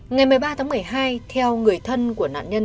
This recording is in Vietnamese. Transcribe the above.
ngày một mươi ba tháng một mươi hai theo người thân của nạn nhân